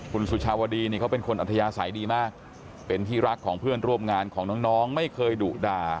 คุณสุชาวดีนี่เขาเป็นคนอัธยาศัยดีมากเป็นที่รักของเพื่อนร่วมงานของน้องไม่เคยดุด่า